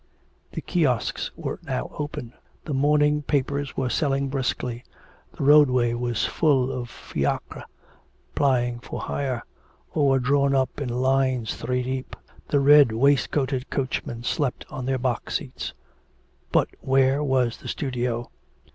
The kiosques were now open, the morning papers were selling briskly, the roadway was full of fiacres plying for hire, or were drawn up in lines three deep, the red waistcoated coachmen slept on their box seats. But where was the studio?